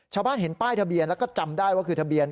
ชาวบ้านเห็นป้ายทะเบียนแล้วก็จำได้ว่าคือทะเบียน